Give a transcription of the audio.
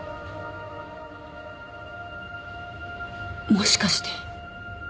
もしかして。